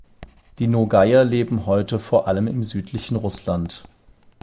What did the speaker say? Die Nogaier leben heute vor allem im südlichen Russland.